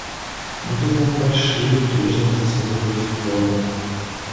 Мы признаем большие прежние заслуги этих форумов.